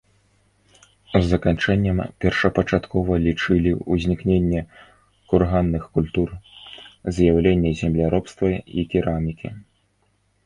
Заканчэннем першапачаткова лічылі ўзнікненне курганных культур, з'яўленне земляробства і керамікі.